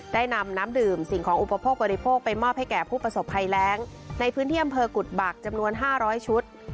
ได้นำน้ำดื่มสิ่งของอุปโภคบริโภคไปมอบให้แก่ผู้ประสบภัยแรงในพื้นที่อำเภอกุฎบักจำนวน๕๐๐ชุด